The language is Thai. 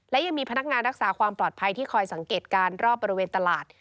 และยังมีพนักงานรักษาความปลอดภัยที่คอยสังเกตการณ์รอบบริเวณตลาด